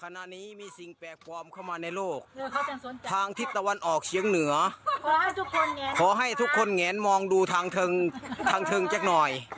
เนี้ยมันเป็นจุดอะไรขาวขาวบนทองฟ้านี่น่ะไหน